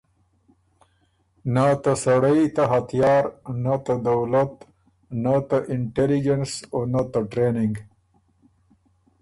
نۀ ته سړئ ته هتیار، نۀ ته دولت، نۀ ته اِنټېلیجنس او نۀ ته ټرېننګ۔